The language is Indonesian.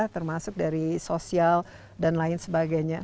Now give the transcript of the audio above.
termasuk dari sosial dan lain sebagainya